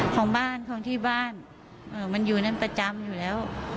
ของบ้านของที่บ้านมันอยู่นั่นประจำอยู่แล้ว